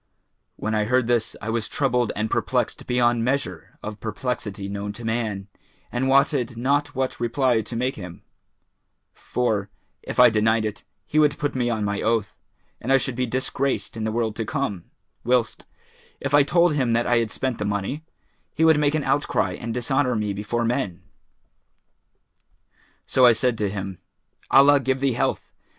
When I heard this, I was troubled and perplexed beyond measure of perplexity known to man and wotted not what reply to make him; for, if I denied it, he would put me on my oath, and I should be disgraced in the world to come; whilst, if I told him that I had spent the money, he would make an outcry and dishonour me before men. So I said to him, 'Allah give thee health!